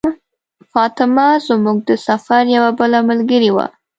فاطمه زموږ د سفر یوه بله ملګرې وه.